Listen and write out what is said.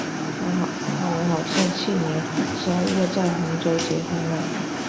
他们好像去年十二月在杭州结婚了。